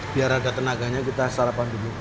biar ada tenaganya kita sarapan dulu